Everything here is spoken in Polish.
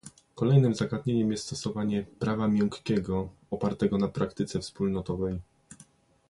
Kolejnym zagadnieniem jest stosowanie "prawa miękkiego", opartego na praktyce wspólnotowej